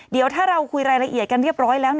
เดี๋ยวถ้าเราคุยรายละเอียดกันเรียบร้อยแล้ว